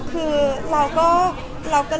พอเสร็จจากเล็กคาเป็ดก็จะมีเยอะแยะมากมาย